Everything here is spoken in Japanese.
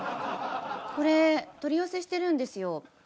これ取り寄せしてるんですよ。